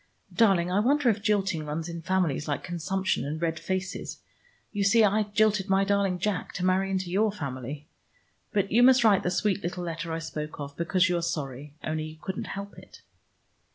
Darling, I wonder if jilting runs in families like consumption and red faces. You see I jilted my darling Jack, to marry into your family. But you must write the sweet little letter I spoke of, because you are sorry, only you couldn't help it."